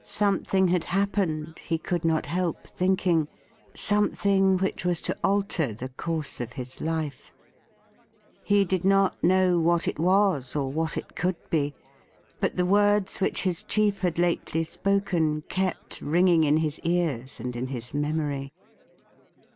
Some thing had happened, he could not help thinking — some thing which was to alter the course of his life. He did not WHAT WALEY DID WITH HIMSELF 247 kn6t(r what it was or what it could be ; but the words which his chief had lately spoken kept ringing in his ears and in his memory.